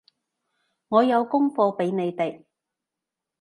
我有功課畀你哋